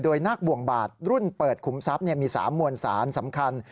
โดยนาคบ่วงบาทรุ่นเปิดขุมทรัพย์มี๓มวลสารสำคัญ